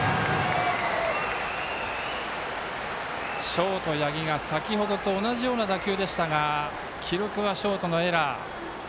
ショート、八木が先ほどと同じような打球でしたが記録はショートのエラー。